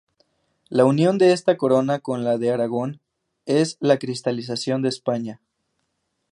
La unión de esta Corona con la de Aragón es la cristalización de España.